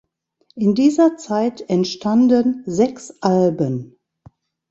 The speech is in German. In dieser Zeit entstanden sechs Alben.